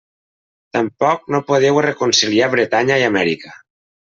Tampoc no podeu reconciliar Bretanya i Amèrica.